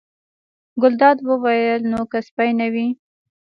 ګلداد وویل: نو که سپی نه وي.